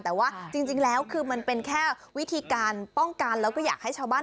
แต่ว่าจริงแล้วคือมันเป็นแค่วิธีการป้องกันแล้วก็อยากให้ชาวบ้าน